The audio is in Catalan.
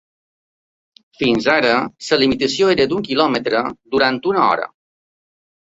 Fins ara la limitació era d’un quilòmetre durant una hora.